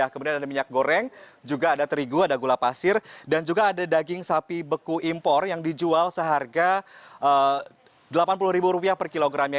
kemudian ada minyak goreng juga ada terigu ada gula pasir dan juga ada daging sapi beku impor yang dijual seharga rp delapan puluh per kilogramnya